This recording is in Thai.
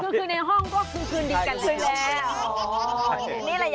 คือในห้องก็คือคืนดีกันไปแล้ว